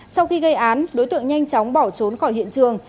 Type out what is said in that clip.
sau khi gây án đối tượng nhanh chóng bỏ trốn khỏi hiện trường